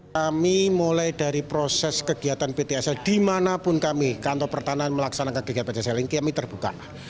kami mulai dari proses kegiatan ptsl dimanapun kami kantor pertahanan melaksanakan kegiatan pt selling kami terbuka